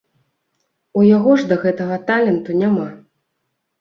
У яго ж да гэтага таленту няма.